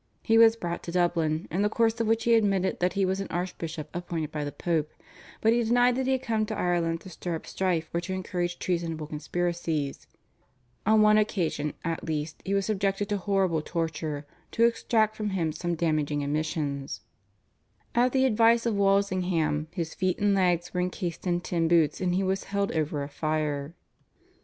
He was brought to Dublin, in the course of which he admitted that he was an archbishop appointed by the Pope, but he denied that he had come to Ireland to stir up strife or to encourage treasonable conspiracies. On one occasion at least he was subjected to horrible torture to extract from him some damaging admissions. At the advice of Walsingham his feet and legs were encased in tin boots and he was held over a fire.